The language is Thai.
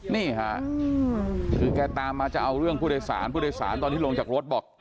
นี่ค่ะคือแกตามมาจะเอาเรื่องผู้โดยสารผู้โดยสารตอนที่ลงจากรถบอก